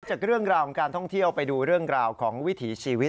จากเรื่องราวของการท่องเที่ยวไปดูเรื่องราวของวิถีชีวิต